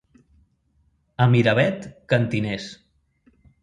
A Miravet, cantiners.